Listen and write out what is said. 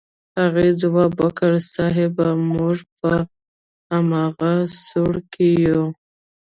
هغې ځواب ورکړ صيب موږ په امغه سوړه کې يو.